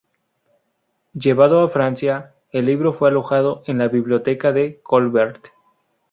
Llevado a Francia, el libro fue alojado en la biblioteca de Colbert.